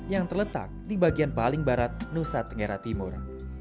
yang terletak di bagian paling barat nusa tenggara timur